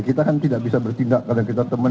kita kan tidak bisa bertindak karena kita teman